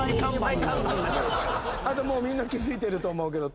あともうみんな気付いてると思うけど。